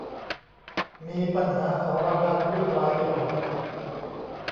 มีปัญหาสารพันวุ่นวายไปหมด